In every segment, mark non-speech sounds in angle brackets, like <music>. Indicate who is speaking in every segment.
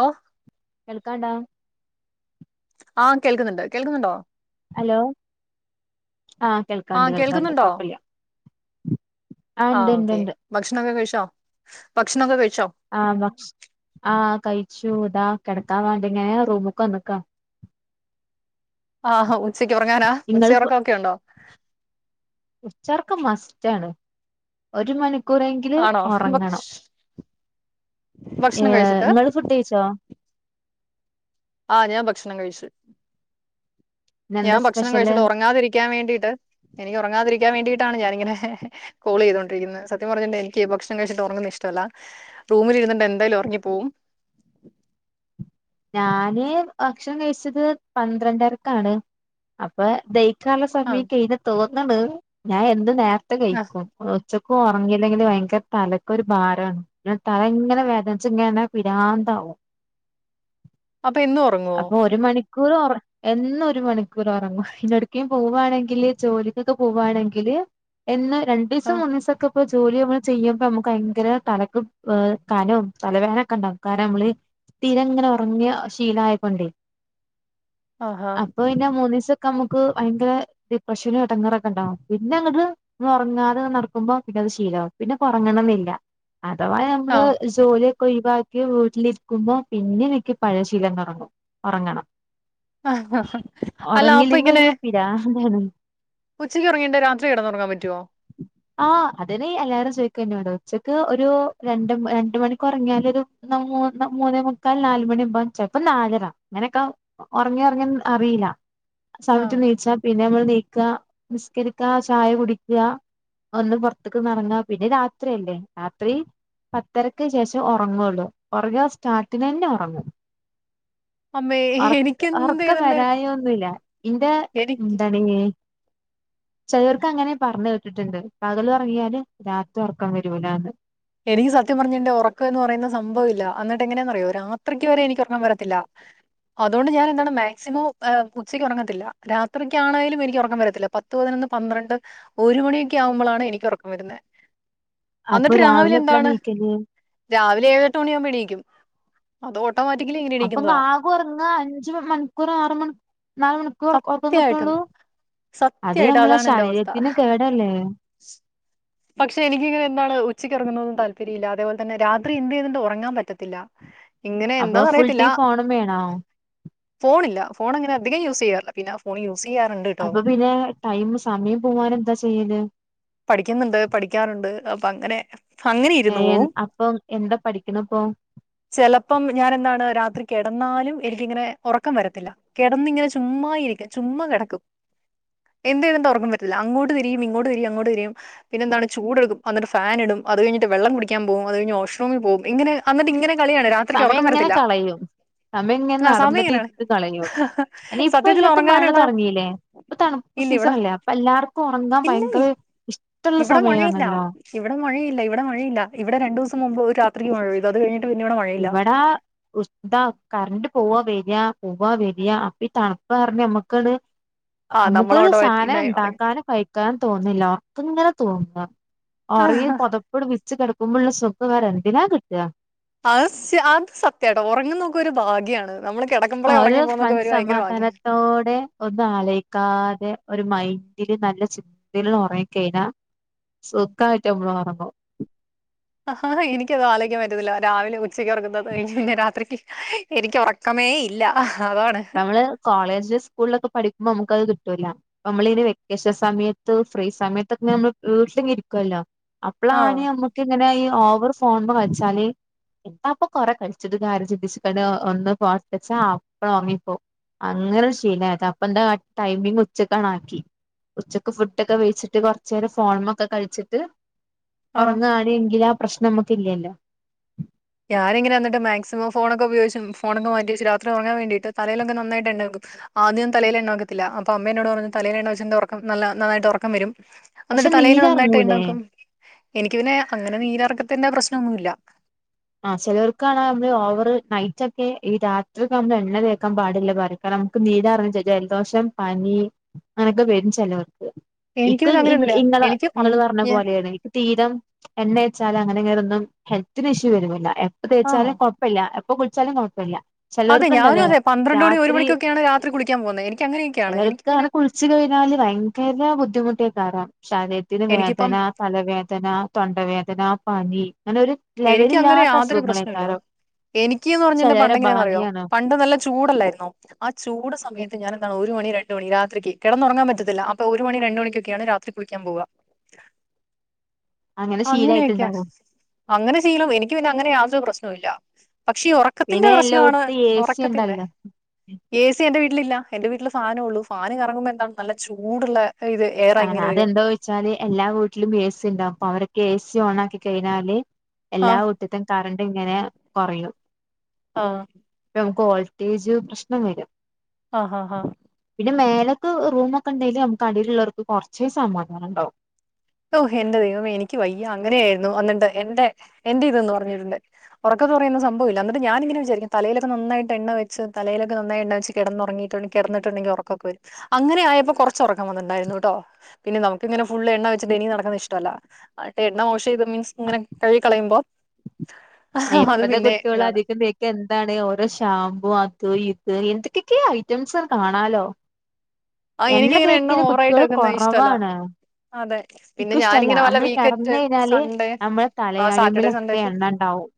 Speaker 1: അഹ്
Speaker 2: കേൾക്കാണ്ടാ
Speaker 1: ആഹ് കേൾക്കുന്നുണ്ട് കേൾക്കുന്നുണ്ടോ
Speaker 2: ഹലോ ആഹ്
Speaker 1: ആ
Speaker 2: കേൾക്കാണ്ട് കേൾക്കാണ്ട്
Speaker 1: കേൾക്കുന്നുണ്ടോ?
Speaker 2: കൊഴപ്പല്ല്യ
Speaker 1: ആ ഓക്കെ ഭക്ഷണൊക്കെ കഴിച്ചോ ഭക്ഷണൊക്കെ കഴിച്ചോ
Speaker 2: ആഹ് ഭക്ഷ ആ കഴിച്ചു ഇതാ കെടക്കാൻ വേണ്ടിങ്ങനെ റൂമ് വന്ന്ക്കാ
Speaker 1: ആഹാ ഉച്ചക്ക് ഉറങ്ങാനാ
Speaker 2: ഇങ്ങൾക്ക്
Speaker 1: ഉച്ചയൊറക്കൊക്കെ ഉണ്ടോ
Speaker 2: ഉച്ചയൊർക്കം മസ്റ്റാണ് ഒരു മണി മണ്ടികൂറെങ്കിലും
Speaker 1: ആണോ? ഭക്ഷ്
Speaker 2: ഒറങ്ങണം
Speaker 1: ഭക്ഷണം കഴിച്ചിട്ട്?
Speaker 2: നിങ്ങൾ ഫുഡ് കയിച്ചോ
Speaker 1: ആ ഞാൻ ഭക്ഷണം കഴിച്ച് ഞാൻ
Speaker 2: ഇന്നെന്താ
Speaker 1: ഭക്ഷണം
Speaker 2: സ്പെഷ്യല്
Speaker 1: കഴിച്ചിട്ട് ഉറങ്ങാതിരിക്കാൻ വേണ്ടിട്ട് എനിക്ക് ഉറങ്ങാതിരിക്കാൻ വേണ്ടിയിട്ടാണ് ഞാനിങ്ങനെ കോൾ ചെയ്തുകൊണ്ടിരിക്കുന്നെ സത്യം പറഞ്ഞ എനിക്ക് ഭക്ഷണം കഴിച്ചിട്ട് ഉറങ്ങുന്നെ ഇഷ്ടമല്ല റൂമിലിരുന്ന്ണ്ടെ എന്തായാലും ഒറങ്ങിപ്പോവും
Speaker 2: ഞാന് ഭക്ഷണം കഴിച്ചത് പന്ത്രണ്ടരക്കാണ് അപ്പൊ ദയി കാൻ ഉള്ള
Speaker 1: ആ
Speaker 2: സമയക്കേയി തോന്ന്ണു ഞാൻ എന്നും നേരത്തെ
Speaker 1: ആ
Speaker 2: കയിക്കും ഉച്ചക്ക് ഉറങ്ങിയില്ലെങ്കിൽ ഭയങ്കര തലക്കൊരു ഭാരമാണ് പിന്നെ തല ഇങ്ങനെ വേദനച്ച് ഇങ്ങനെ പിരാന്താവും
Speaker 1: അപ്പൊ എന്നും ഉറ
Speaker 2: അപ്പൊ ഒരു മണിക്കൂർ ഒറ എന്നും ഒരു മണിക്കൂർ ഒറങ്ങും എവിട്ക്കേം പോവാണെങ്കില് ജോലിക്കൊക്കെ പോവാണെങ്കില് എന്നും
Speaker 1: ആ
Speaker 2: രണ്ടീസം മൂന്നിസൊക്കെ ഇപ്പൊ ജോലി നമ്മൾ ചെയ്യുബൊ നമുക്ക് ഭയങ്കര തലക്ക് കനും തലവേദനൊക്കെ ഉണ്ടാകും കാരണം നമ്മള് സ്ഥിരം ഇങ്ങനെ ഒറങ്ങിയ ശീലായ കൊണ്ടെ
Speaker 1: ആഹാ.
Speaker 2: അപ്പൊ പിന്നെ മൂന്നീസൊക്കെ നമുക്ക് ഭയങ്കര ഡിപ്രഷനു എടങ്ങേറൊക്കെ ഉണ്ടാവും പിന്നെ അങ്ങോട്ട് ഉറങ്ങാതെ നടക്കുമ്പോ പിന്നത് ശീലാവും പിന്നെ ഒറങ്ങണംന്നില്ല അഥവാ
Speaker 1: ആ
Speaker 2: ഞമ്മള് ജോലിയൊക്കെ ഒഴിവാക്കി വീട്ടില് ഇരിക്കുമ്പം പിന്നെ എനിക്ക് പഴയശീലം തൊടങ്ങും ഒറങ്ങണം
Speaker 1: ആഹ് അല്ല അപ്പോ ഇങ്ങനെ
Speaker 2: രാവിലേണ്
Speaker 1: ഉച്ചയ്ക്ക് ഒറങ്ങീട്ട് രാത്രി കെടന്നുറങ്ങാൻ പറ്റുവോ
Speaker 2: ആഹ് അതിനെ എല്ലാരും ചോയിക്കും എന്നോട് ഉച്ചക്ക് ഒരു രണ്ടും രണ്ട് മണിക്ക് ഒറങ്ങിയാലൊരു മൂന്ന് മൂന്നേ മു ക്കാൽ നാല് മണിയമ്പം ചെൽപ്പം നാലര ഇങ്ങനെക്കം ഒറങ്ങി ഒറങ്ങിന്ന് അറിയീല്ലാ
Speaker 1: ആ
Speaker 2: സമയത്ത്ന്ന് നീച്ചാ പിന്നെ ഞമ്മള് നീക്കാ നിസ്കരിക്കാ ചായ കുടിക്കാ ഒന്ന് പൊറത്ത്ക്ക് ഒന്ന് എറങ്ങാ പിന്നെ രാത്രിയല്ലേ രാത്രി പത്തരക്ക് ശേഷം ഒറങ്ങോള്ളൂ ഒറങ്ങാ സ്റ്റാർട്ടിങ്ങന്നെ ഒറങ്ങും
Speaker 1: അമ്മേ
Speaker 2: ഒറ
Speaker 1: എനിക്ക്
Speaker 2: ഒറക്കം
Speaker 1: എന്തെയ്ത്ണ്ടേലും
Speaker 2: വരായൊന്നുല്ല ഇന്റെ
Speaker 1: എനിക്ക്
Speaker 2: ചെലോർക്ക് അങ്ങനെ പറഞ്ഞു കേട്ടിട്ടുണ്ട് പകൽ ഒറങ്ങിയാല് രാത്രി ഒർക്കം വരൂലാന്ന്
Speaker 1: എനിക്ക് സത്യം പറഞ്ഞ്ണ്ടെ ഒറക്കം എന്ന് പറയുന്ന സംഭവം ഇല്ല എന്നിട്ട് എങ്ങനാന്ന് അറിയോ രാത്രിക്ക് വരെ എനിക്ക് ഒറക്കം വരത്തില്ല അതുകൊണ്ട് ഞാൻ എന്താണ് മാക്സിമം ഉച്ചക്ക് ഉറങ്ങത്തില്ല രാത്രിക്കാണേലും എനിക്ക് ഒറക്കം വരത്തില്ല പത്ത് പത്ത്പതിനൊന്ന് പന്ത്രണ്ട് ഒരു മണിയൊക്കെ ആവുമ്പളാണ് എനിക്ക് ഒറക്കം വരുന്നേ
Speaker 2: അപ്പൊ
Speaker 1: രാവിലെ
Speaker 2: എപ്പളാ
Speaker 1: എന്താണ്
Speaker 2: നീക്കല്
Speaker 1: രാവിലെ ഏഴെട്ട് മണിയാവുമ്പം എണീക്കും അത് ഓട്ടോമാറ്റിക്കലി എങ്ങനെ എണീക്കുന്നതാ
Speaker 2: ക്കുറങ്ങാ അഞ്ച് മ് മണിക്കൂർ ആറ് മണു നാല് മണിക്കൂർ കു ഒറക്കങ്ങ്
Speaker 1: സത്യമായിട്ടും
Speaker 2: കിട്ടുള്ളൂ അത്
Speaker 1: സത്യമായിട്ടും
Speaker 2: ഞമ്മളെ
Speaker 1: അതാണ് എന്റെ അവസ്ഥ
Speaker 2: ശരീരത്തിന് കേടല്ലേ
Speaker 1: പക്ഷേ എനിക്ക് എന്താണ് ഉച്ചക്ക് ഒറങ്ങുന്നതും താൽപര്യം ഇല്ല അതേപോലെ തന്നെ രാത്രി എന്തേയ്തിട്ടും ഒറങ്ങാൻ പറ്റത്തില്ല ഇങ്ങനെ എന്തോ
Speaker 2: അപ്പൊ ഫുൾ
Speaker 1: അറിയത്തില്ല
Speaker 2: ടൈം ഫോണും വേണോ
Speaker 1: ഫോണില്ല ഫോൺ അങ്ങനെ അധികം യൂസ് ചെയ്യാറില്ല പിന്നെ ഫോൺ യൂസ് ചെയ്യാറുണ്ട് ട്ടോ
Speaker 2: അപ്പോ പിന്നെ ടൈമ് സമയം പോവാനും എന്താ ചെയ്യല്
Speaker 1: പഠിക്കുന്നുണ്ട് പഠിക്കാറുണ്ട് അപ്പോ അങ്ങനെ അങ്ങനെ
Speaker 2: ഏ
Speaker 1: ഇരുന്നു
Speaker 2: ൻ
Speaker 1: പോവും
Speaker 2: അപ്പം എന്താ പഠിക്കണ്പ്പോ
Speaker 1: ചെലപ്പം ഞാൻ എന്താണ് രാത്രി കെടന്നാലും എനിക്കിങ്ങനെ ഒറക്കം വരത്തില്ല കെടന്നിങ്ങനെ ചുമ്മാ ഇരിക്കും ചുമ്മാ കെടക്കും എന്ത് ചെയ്യണ്ട് ഒറങ്ങൻ പറ്റത്തില്ല അങ്ങോട്ട് തിരിയും ഇങ്ങോട്ട് തിരിയും അങ്ങോട്ട് തിരിയും പിന്നെന്താണ് ചൂടെടുക്കും എന്നിട്ട് ഫാനിടും അത് കഴിഞ്ഞിട്ട് വെള്ളം കുടിക്കാൻ പോവും അത് കഴിഞ്ഞ് ഓഷ്റൂമിൽ പോവും ഇങ്ങനെ അന്നിട്ട് ഇങ്ങനെ കളിയാണ് രാത്രിക്ക്
Speaker 2: സമയം
Speaker 1: ഉറക്കം
Speaker 2: ഇങ്ങനെ
Speaker 1: വരത്തില്ല
Speaker 2: കളയും
Speaker 1: ആ സമയം
Speaker 2: സമേങ്ങനടന്നിട്ട്
Speaker 1: ഇങ്ങനെയാണ്
Speaker 2: ഇത് കളഞ്ഞു ഇനി ഇപ്പ
Speaker 1: സത്യത്തിൽ
Speaker 2: എല്ലാത്തും മഴ
Speaker 1: ഉറങ്ങാനുള്ള
Speaker 2: തൊടങ്ങീല്ലേ ഇപ്പോ തണുപ്പ്
Speaker 1: ഇല്ല ഇവിടെ
Speaker 2: സീസണല്ലേ അപ്പ എല്ലാർക്കും ഒറങ്ങാൻ
Speaker 1: ഇല്ല
Speaker 2: ഭയങ്കര ഇഷ്ടുള്ള
Speaker 1: ഇവിടെ മഴയില്ല
Speaker 2: സമയാണല്ലോ
Speaker 1: ഇവിടെ മഴയില്ല ഇവിടെ മഴയില്ല ഇവിടെ രണ്ടുസം മുമ്പ് ഒരാ ത്രീം മഴ പെയ്ത് അത് കഴിഞ്ഞിട്ട് പിന്ന ഇവിടെ മഴ
Speaker 2: ഇബടാ ഉസ് എന്താ കറണ്ട് പോവാ വര്യാ പോവാ വര്യാ അപ്പ ഈ തണുപ്പ് കാരണം ഞമ്മക്കത്
Speaker 1: ആഹ് നമ്മള്
Speaker 2: അമുക്കൊരു സാനം
Speaker 1: ഓട്ടോമാറ്റിക്കായി ഉറങ്ങി
Speaker 2: ഇണ്ടാക്കാനും കഴിക്കാനും തോന്നില്ല അപ്പ് ഇങ്ങന തോന്നാ ഒറയേ
Speaker 1: അത്
Speaker 2: പൊതപ്പൂടുമിച്ച് കിടക്കുമ്പുള്ള സുഖം വേറെ എന്തിനാ കിട്ടാ
Speaker 1: ആസ് അത് സത്യാട്ടോ ഒറങ്ങുനോക്ക ഒരു ഭാഗ്യാണ് നമ്മള് കെട
Speaker 2: അവര് സ്മൻസ് സമാതാനാ ത്തോടെ ഒന്നും ആലോയ്ക്കാതെ ഒരു മൈൻഡില് നല്ല ചിൻ തില് ഒറങ്ങിക്കഴിഞ്ഞാ സുഖായിട്ട് ഞമ്മള് ഒറങ്ങും
Speaker 1: ആഹ് ഹ ഹ എനിക്കത് ആലോയിക്കാൻ പറ്റിന്നില്ല രാവിലെ ഉച്ചയ്ക്ക് ഒറക്കുന്നത് എനി പിന്നെ രാത്രിക്ക് എനിക്ക് ഒറക്കമേ ഇല്ല അതാണ്
Speaker 2: നമ്മള് കോളേജ് സ്കൂളിലൊക്കെ പഠിക്കുമ്പോ നമുക്ക്ത് കിട്ടൂലാ നമ്മളി വെക്കേഷൻ സമയത്ത് ഫ്രീ സമയത്ത്ക്കെ നമ്മള് വീട്ടിലിങ്ങെ ഇരിക്കുല്ലോ അപ്പള
Speaker 1: ആഹ്
Speaker 2: ആണ് ഞമ്മക്ക് ഇങ്ങനെ ഈ ഓവർ ഫോണ്മേ കളിച്ചാന് അപ്പൊ കൊറേ കഴിച്ചിട്ടു കാരി <unintelligible> അപ്പ അങ്ങനെ ശീലായത അപ്പൊ എന്താ ടൈമിങ് ഉച്ചക്കണ ആക്കി ഉച്ചക്ക് ഫുഡോക്കെ വേയ്ച്ചിട്ട് കുറച്ച നേരം ഫോണിമ്മെ ഒക്കെ കളിച്ചിട്ട്
Speaker 1: ആഹ്
Speaker 2: ഉറങ്ങാണിയെങ്കിൽ ആ പ്രശ്നം നമുക്ക ഇല്ലല്ലോ
Speaker 1: ഞാനിങ്ങനെ എന്നിട്ട് മാക്സിമം ഫോണോക്കെ ഉയോഗിച്ചും ഫോണോക്കെ മാറ്റിവെച്ച് രാത്രി ഉറങ്ങൻ വേണ്ടിട്ട് തലയിലൊക്കെ നാന്നായിട്ട് എണ്ണേക്കും ആദ്യം തലേൽ എണ്ണതേക്കത്തില്ല അപ്പൊ അമ്മേ എന്നോട് പറഞ്ഞു തലേൽ എണ്ണ ഒഴി ഉറക്ക നല്ല നന്നായിട്ട് ഉറക്കം വരും
Speaker 2: പക്ഷെ
Speaker 1: എന്നിട്ട് തലേൽ
Speaker 2: നീര്
Speaker 1: നന്നായിട്ട്
Speaker 2: എറങ്ങൂലേ
Speaker 1: എണ്ണേക്കും എനിക്കി പിന്നെ അങ്ങനെ നീരറക്കത്തിന്റെ പ്രശ്നം ഒന്നുല്ല
Speaker 2: ആ ചിലവർക്കാണ നമ്മള് ഓവർ നൈറ്റ് ഒക്കെ ഈ രാത്രി ഒക്കെ നമ്മള് എണ്ണ തേക്കാൻ പാടില്ല പറിം കാരണം നമുക്ക് നീലറങ്ങും ജലദോഷം പനി അങ്ങനൊക്കെ വരും ചേലോർക്ക്
Speaker 1: എനിക്ക്
Speaker 2: ഇക്ക
Speaker 1: പിന്നെ
Speaker 2: ഇങ്ങെ
Speaker 1: അങ്ങനെയൊന്നുമില്ല. എനിക്ക് പ
Speaker 2: ഇങ്ങള് പറഞ്ഞ പോലെയാണ് തീരം എണ്ണച്ചാലും അങ്ങനെ ഇങ്ങന ഒന്നും ഹെൽത്തിന് ഇഷ്യൂ വരൂല്ല എപ്പോഴ
Speaker 1: ആഹ്
Speaker 2: തേച്ചാലും കൊയ കുഴപ്പില്ല എപ്പൊ കുളിച്ചാലും കൊഴപ്പില്ല
Speaker 1: അതെ ഞാന അതെ പന്ത്രണ്ട് മണി ഒരു മണിക്കൊക്കെയാണ് രാത്രി കുളിക്കാൻ പോകുന്നത് എനിക്ക് അങ്ങനെയൊക്കെയാണ് എനിക്കിങ്ങനെ
Speaker 2: വച്ച് കഴിഞ്ഞാല് ഭയങ്കര ബുദ്ധിമുട്ടിയക്കരം ശരീരത്തിന്
Speaker 1: എനിക്കിപ്പം
Speaker 2: വേദന തലവേദന തൊണ്ടവേദന പനി അങ്ങനെ ഒരു
Speaker 1: എനിക്ക്ങ്ങനെ
Speaker 2: ലെവലില്ലാത്ത
Speaker 1: യാതൊരു പ്രശ്ന ഇല്ല
Speaker 2: അസുഖങ്ങളേക്കാരം
Speaker 1: എനിക്കീന്ന് പറഞ്ഞ
Speaker 2: ചിലരെ
Speaker 1: പണ്ടങ്ങനെ എങ്ങനാന്ന്റിയോ
Speaker 2: ഭാഗ്യാണ്
Speaker 1: പണ്ട് നല്ല ചൂടല്ലായിരുന്നോ ആ ചൂട സമയത്ത് ഞാനെന്താണ് ഒരു മണി രണ്ട മണി രാത്രിക്ക് കിടന്നുറങ്ങാൻ പറ്റത്തില്ല അപ്പൊ ഒരു മണി രണ്ട മണിക്കൊക്കെയാണ് രാത്രി കുളിക്കാൻ പോവാ
Speaker 2: അങ്ങനെ
Speaker 1: അങ്ങനെയൊക്കെയ
Speaker 2: ശീലായിട്ടുണ്ടാവും
Speaker 1: അങ്ങനെ ചെയ്യണം എനിക്ക് പിന്നെ അങ്ങനെ യാതൊരു പ്രശ്നവ ഇല്ല പക്ഷെ ഉറ ഉറക്കത്തിന്റെ
Speaker 2: പിന്നെ
Speaker 1: പ്രശ്നവാണ്
Speaker 2: എല്ലോടത്തും എ സി
Speaker 1: ഉറക്കത്തിന്റെ
Speaker 2: ഉണ്ടല്ലോ
Speaker 1: എ സി എന്റെ വീട്ടിലില്ല എന്റെ വീട്ടില് ഫാനേ ഉള്ളൂ ഫാന് കറങ്ങുമ്പോ എന്താണ് നല്ല ചൂടുള്ള ഇത് എയറാ
Speaker 2: ആഹാ
Speaker 1: ഇങ്ങനെ വരിക
Speaker 2: അതെന്തൊ വച്ചാല് എല്ലാ വീട്ടിലും എ സി ഉണ്ടാവും അപ്പൊ അവരൊക്കെ എ സി ഓൺ ആക്കി കഴിഞ്ഞാല് എല്ലാ
Speaker 1: ആഹ്
Speaker 2: നിട്ട് കറണ്ട് ഇങ്ങനെ കൊറയും
Speaker 1: ആഹ്
Speaker 2: ഇപ്പ നമുക്ക് വോൾട്ടേജ് പ്രശ്നം വരും
Speaker 1: ആഹ് ആഹ് ആഹ്
Speaker 2: പിന്നെ മേലക്ക് റൂം ഒക്കെ ഉണ്ടെല് നമുക്ക് അടിൽ ഉള്ളവർക്ക് കുറച്ചേ സമാധാനംണ്ടാവും
Speaker 1: ഓഹ് എന്റെ ദൈവം എനിക്ക് വയ്യ അങ്ങനെയായിരുന്നു എന്നിട്ട് എന്റെ എന്റെ ഇതന്ന് പറഞ്ഞിട്ടുണ്ട് ഉറക്കം ന്ന് പറയണേ സംഭവില്ല ന്നിട്ട് ഞാനിങ്ങനെ വിചാരിക്കും തലയിലക്കെ നന്നായിട്ട എണ്ണ വെച്ച് തലയിലൊക്കെ നാന്നായിട്ട എണ്ണ വെച്ച് കിന്നുറങ്ങിയിട്ട കിടന്നിട്ടുണ്ടെിൽ ഉറക്കൊക്കെ വരും അങ്ങനെ ആയപ്പോ കുറചൊക്കെ ഉറക്ക വന്നുണ്ടായിനിട്ടൊ പിന്നെ നമുക്കങ്ങനെ ഫുള്ള് എണ്ണ ഡനി നടക്കുന്നത് ഇഷ്ടമല്ല എന്നിട്ട് എണ്ണ വാഷ് ചെയ്ത് മീൻസ് ഇങ്ങനെ കഴുകി കളയുമ്പോ അത്
Speaker 2: ഇപ്പഴത്തെ
Speaker 1: പിന്നെ
Speaker 2: കുട്ടികൾ
Speaker 1: ഇതാണ്.
Speaker 2: അധികം ബേ എന്താണ് ഓരോ ഷാമ്പൂ അത് ഇത് എന്തൊക്കെയൊക്കെ ഐറ്റംസ് കാണാലോ
Speaker 1: ആ
Speaker 2: എണ്ണ
Speaker 1: എനിക്കിങ്ങനെ എണ്ണം
Speaker 2: തേക്കല്
Speaker 1: ഓവറായിട്ട്
Speaker 2: കുട്ടികൾ
Speaker 1: തേക്കുന്നത് ഇഷ്ടല്ല
Speaker 2: കുറവാണ്
Speaker 1: അതെ പിന്നെ
Speaker 2: ഇക്കും ഇഷ്ടല്ല
Speaker 1: ഞാനിങ്ങനെ വല്ല
Speaker 2: നമ്മള്
Speaker 1: വീക്കന്റ്
Speaker 2: കിടന്ന് കഴിഞ്ഞാല്
Speaker 1: സൺഡേ
Speaker 2: നമ്മളെ
Speaker 1: ആ സാറ്റർഡേ
Speaker 2: തലയാണിമ്മിലൊക്കെ
Speaker 1: സൺഡേക്ക്
Speaker 2: എണ്ണ ഉണ്ടാവും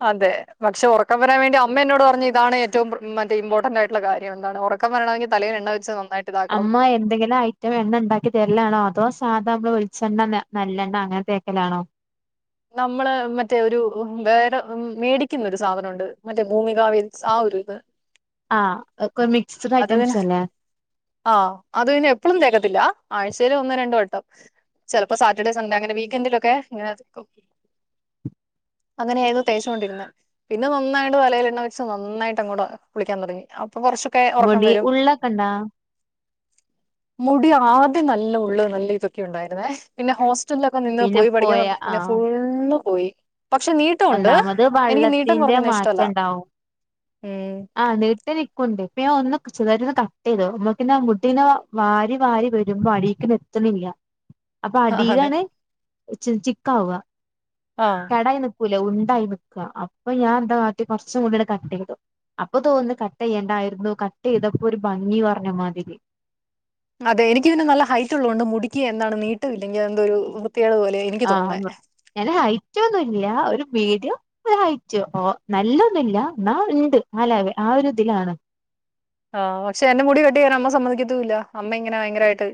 Speaker 1: <inaudible> അതെ പക്ഷെ ഉറക്കം വരാൻ വേണ്ടി അമ്മയ എന്നോട് പറഞ്ഞു ഇതാണ് ഏറ്റവും മറ്റേ ഇമ്പോർട്ടന്റ്റായിട്ടുള്ള കാര്യം എന്താണ് ഉറ റക്കം വരണമെങ്കിൽ തലീൽ എണ്ണ വെച്ച് നന്നായി
Speaker 2: അമ്മ എന്തെങ്കിലആയി റ്റേ എണ്ണ ഉണ്ടാക്കി തരലാണോ അതോ സാധാ നമ്മള് ഒളിച്ചെണ്ണ നല്ലെണ്ണം അങ്ങനെ തേക്കലാണോ
Speaker 1: നമ്മള് മറ്റേ ഒരു വേറെ മേടിക്കുന്ന ഒരു സാധനമുണ്ട് മറ്റേ ഭൂമികാവിയിൽ ആ ഒരു ഇത്
Speaker 2: ആഹാ ഒക്കെ മിക്സ്ഡ് ഐറ്റംസ് അല്ലേ
Speaker 1: ആഹ് അത് ഇനി എപ്പളും തേക്കത്തില്ല ആഴ്ചൽ ഒന്നോ രണ്ടോ വട്ടം ചെലപ്പോ സാറ്റർഡേ സൺഡേ അങ്ങനെ വീക്കെന്റിലൊക്കെങ്ങന അങ്ങനെണോ തേച്ചോണ്ടിരുന്നേ പിന്നെ നന്നായിട്ട് തലയിൽ എണ്ണ വെച്ച് നന്നായിട്ട് അങ്ങടെ കുളിക്കാൻ തുടങ്ങി അപ്പൊ കുറച്ച് ക്കേ ഒറക്കം
Speaker 2: മുടി
Speaker 1: വരും.
Speaker 2: ഉള്ളൊക്കെണ്ടാ
Speaker 1: മുടി ആദ്യം നല്ല ഉള്ള് നല്ല തൊക്കെ ഉണ്ടായിരുന്നേ പിന്നെ ഹോസ് റ്റൽ ല്ലൊക്കെ നിന്ന്
Speaker 2: പിന്നെ
Speaker 1: പോയി പഠിക്കാൻ
Speaker 2: പോയ
Speaker 1: തൊടങ്ങിയപ്പോ പിന്നെ
Speaker 2: ആഹ്
Speaker 1: ഫുള്ള് പോയി പക്ഷെ നീ ഒണ്ട്
Speaker 2: ഒന്നാമത്
Speaker 1: എനിക്ക് നീട്ടം
Speaker 2: വള്ളത്തിന്റെ
Speaker 1: കുറക്കുന്നത് ഇഷ്ടല്ല
Speaker 2: മാറ്റം ഉണ്ടാവും
Speaker 1: ഉം.
Speaker 2: ആഹ് നീട്ടി നിക്കുണ്ട് ഇപ്പ ഒന്ന് ചെർതായിട്ടൊന്ന് കട്ട് ചെയ്തു അപ്പോത്തിന് മുടിങ്ങനെ വാരി വാരി വരുമ്പോ അടി ശെരിക്കിന് എത്തണില്ല അപ്പൊ
Speaker 1: അതെ
Speaker 2: അടീലാണ് ചിക്കാവ്വ
Speaker 1: ആഹ്
Speaker 2: കടായി നിക്കൂലേ ഉണ്ടായി നിക്ക അപ്പ ഞാനെന്താ കാട്ടി കൊർച് മുടി അങ്ങട്ട് കട്ട് ചെയ്തു അപ്പൊ തോന്നുന്നു കട്ട് ചെയ്യേണ്ടായിരുന്നു കട്ട് ചെയ്തപ്പോ ഒരു ഭംഗി കൊർഞ്ഞ മാതിരി.
Speaker 1: അതെ എനിക്കി പിന്നെ നല്ല ഹൈറ്റ് ഉള്ളത് കൊണ്ട് മുടിക്ക് എന്താണ് നീട്ട ഇല്ലെങ്കിൽ എന്തോ ഒരു വൃത്തികേട് പോലെ. എനിക്ക്
Speaker 2: ആഹ്
Speaker 1: തോന്നുന്നേ
Speaker 2: ഞാന് ഹയ്റ്റൊന്നുല്ല ഒരു മീഡിയം. ഹയ്റ്റ് ഓ നല്ലൊന്നുല്ല ന്നാ ണ്ട് ആ ലെവെ ആ ഒരു തിലാണ്.
Speaker 1: ആഹ് പക്ഷെ എന്റെ മുടി വെട്ടിക്കയറാൻ അമ്മ സമ്മതിക്കത്തും ഇല്ല അമ്മ ഇങ്ങനെ ഭയങ്കരയിട്ട്.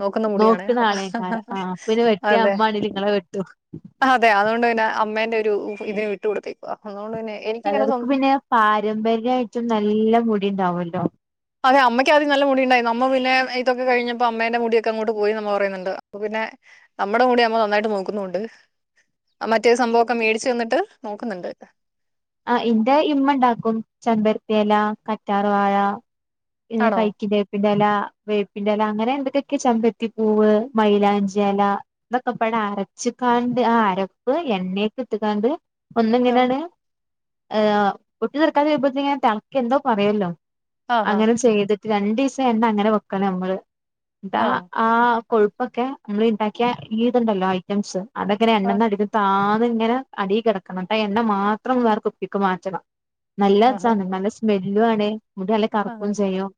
Speaker 1: നോക്കുന്ന മുടിയണേ
Speaker 2: നോക്കണ
Speaker 1: അപ്പ
Speaker 2: ആളേക്കാരം ആഹ് പിന്നെ വെട്ടിയ
Speaker 1: അതെ.
Speaker 2: അമ്മാണെങ്കിലും ഇങ്ങളെ വെട്ടും
Speaker 1: അതെ അതുകൊണ്ട് തന്നെ അമ്മേന്റെ ഒരു ഇതിന് വിട്ടു കൊടുത്തേക്കുവാ അതുകൊണ്ട് പിന്നെ. എനിക്കിങ്ങനെ സ്വന്തം
Speaker 2: ചെലർക്ക് പിന്നെ പാരമ്പര്യയിട്ടും നല്ല മുടി ണ്ടാവുല്ലോ.
Speaker 1: അതെ അമ്മയ്ക്ക് ആദ്യം നല്ല മുടി ഉണ്ടായിര്ന്നു അമ്മ പിന്നെ ഇതൊക്കെ കഴിഞ്ഞപ്പോ അമ്മേന്റെ മുടിയക്കെങ്ങോട്ട് പോയി ന്ന മ്മ പറയുന്നുണ്ട് അപ്പൊ പിന്നെ. അമ്മടെ മുടി അമ്മ നന്നായിട്ട് നോക്കുന്നുണ്ട്. ആ മറ്റേ സംഭവം ഒക്കെ മേടിച്ചു തന്നിട്ട് നോക്കുന്നുണ്ട്.
Speaker 2: ആ ഇന്റെ ഇമ്മ ണ്ടാക്കും ചെമ്പര്ത്തിയെല കറ്റാർ വാഴ.
Speaker 1: ആണോ?
Speaker 2: <unintelligible> വേപ്പിന്റെല വേപ്പിന്റെല അങ്ങനെ എന്തൊക്കെയൊക്കെ ചെമ്പരത്തിപ്പൂവ് മൈയിലാഞ്ചിയെല. ഇതൊക്കപ്പാടെ അരച്ച് ക്കാണ്ട് ആ അരപ്പ് എണ്ണേക്ക് ഇട്ട് ക്കാണ്ട് ഒന്ന്
Speaker 1: ആഹ്.
Speaker 2: ഇങ്ങനാട് ആഹ് പൊട്ടി തെറിക്കാനായ പോത്തിന് തണുക്കെ എന്തൊ പറയല്ലോ
Speaker 1: ആഹാ.
Speaker 2: അങ്ങനെ ചെയ്തി രണ്ടീസം എണ്ണ അങ്ങനെ വെക്കണം ഞമ്മള് ന്നട്ട് ആ
Speaker 1: ആഹ്.
Speaker 2: ആ കൊഴുപ്പൊക്കെ നമ്മള് ണ്ടാക്കിയ ഈ ഇതുണ്ടല്ലോ ഐറ്റംസ് അതങ്ങനെ എണ്ണ
Speaker 1: ആഹ്.
Speaker 2: <unintelligible> താന്ന് ങ്ങനെ അടി കിടക്കണം ന്നട്ടാ എണ്ണ മാത്രം വേറെ കുപ്പിക്ക് മാറ്റണം.
Speaker 1: ആഹാ.
Speaker 2: നല്ലസാണ് നല്ല സ്മെല്ലു ആണ് മുടി നല്ല
Speaker 1: ആഹ്.
Speaker 2: കർക്കും ചെയ്യും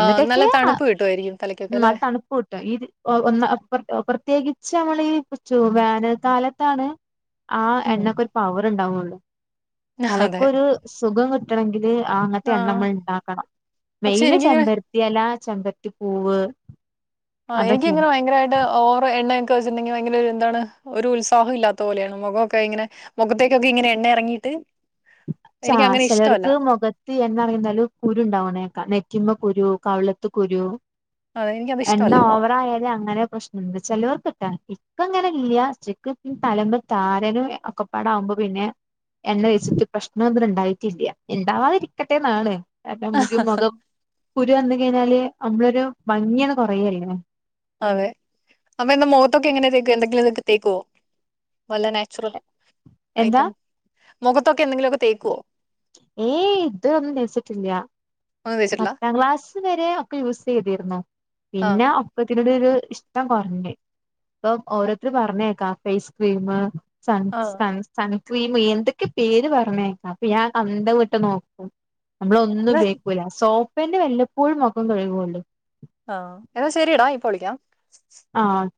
Speaker 1: ആഹ് നല്ല
Speaker 2: യാ
Speaker 1: തണുപ്പ് കിട്ടുവായിരിക്കും തലയ്ക്കൊക്കെ
Speaker 2: ന്നാ
Speaker 1: അല്ലേ?
Speaker 2: തണുപ്പ് കി ട്ടും ഈ ഒ പ്രത്യേകിച്ച് നമ്മളീ ചൂ വേനൽ കാലത്താണ് ആ
Speaker 1: ഉം.
Speaker 2: എണ്ണക്കൊരു പവർ ണ്ടാവുള്ളൂ
Speaker 1: അതെ.
Speaker 2: തലക്കൊരു സുഖം കിട്ടണങ്കില് ആ അങ്ങൻത്തെ എണ്ണ
Speaker 1: ആഹ്.
Speaker 2: നമ്മള് ഇണ്ടാക്കണം
Speaker 1: പക്ഷെ
Speaker 2: മെയിന്
Speaker 1: എനിക്കിങ്ങനെ
Speaker 2: ചെമ്പര ത്തി എല, ചെമ്പരത്തി പൂവ്
Speaker 1: കുറേക്കി
Speaker 2: അതൊക്കെയാണ്
Speaker 1: ഇങ്ങനെ ഭയങ്കരയിട്ട് ഓവർ എണ്ണ ക്കെ വെച്ചിട്ടു ണ്ടെങ്കിൽ ഭയങ്കര എന്താണ് ഒരു ഉത്സാഹം ഇല്ലാത്ത പോലെയാണ് മുഖോക്കെ ഇങ്ങനെ മുഖത്തേക്കൊക്കെ ഇങ്ങനെ എണ്ണ എറങ്ങീട്ട്
Speaker 2: ചാ ശെലർക്ക് മുഖ ത്ത് എണ്ണ എറങ്ങിന്നാല് കുരുണ്ടാവ്ണേക്ക നെറ്റിമ്മ കുരു കവിളത്ത് കുരു
Speaker 1: അതെ എനിക്കത്
Speaker 2: എണ്ണ
Speaker 1: ഇഷ്ടവല്ല.
Speaker 2: ഓവറായാല് അങ്ങനെ പ്രശ് ചേലോർക്ക് ട്ടാ ഇക്കങ്ങനെ ഇല്ല ഇൻക്ക് തലമ്മെ താരനും ഒക്കപ്പാട ആവുമ്പോ പിന്നെ എണ്ണ തേച്ചിട്ട് പ്രശ്നം ഒന്നും ഉണ്ടായിട്ടില്ല ഇണ്ടാവാതിരിക്കട്ടെന്നാണ് കാരണം അമ്മക്ക് മൊഖം കുരു വന്ന് കഴിഞ്ഞാല് അമ്മളൊരു ഭംഗിയാണ് കൊറയല്ലേ.
Speaker 1: അതെ അപ്പ എന്താ മുഖത്തൊക്കെ എങ്ങനെ തേക്കോ? എന്തെങ്കിലും ഇതൊക്കെ തേക്കുവോ വല്ല നാച്ചുറൽ
Speaker 2: എന്താ
Speaker 1: ഐറ്റം മുഖത്തൊക്കെ എന്തെങ്കിലുമൊക്കെ തേക്കോ?
Speaker 2: ഏയ് ഇത് ഒന്നും തേച്ചിട്ടില്ല
Speaker 1: ഒന്നും തേച്ചിട്ടില്ല
Speaker 2: പത്താം ക്ലാസ്സ് വരെ ഒക്കെ യൂസ് ചെയ്തിരുന്നു
Speaker 1: ആ
Speaker 2: പിന്നെ ഇപ്പൊ ഇതിനോട് ഒരു ഇഷ്ടം കൊറഞ്ഞ് ഇപ്പൊ ഓരോര്ത്തര് പർഞ്ഞേക്കാം ഫേസ് ക്രീം സൺ
Speaker 1: ആ
Speaker 2: സൺ സൺസ്‌ക്രീമ് എന്തൊക്കെ പേര് പറഞ്ഞേക്കാ അപ്പൊ ഞാൻ അന്തം വിട്ട് നോക്കും. നമ്മളൊ ന്നും
Speaker 1: എന്നാ
Speaker 2: ഉപയോഗിക്കൂല സോപ്പേന്നെ വല്ലപ്പോഴും മൊഖം കഴുകുള്ളു
Speaker 1: ആഹ് എന്നാ ശരീടാ ഇപ്പൊ വിളിക്കാം.
Speaker 2: ആഹ്.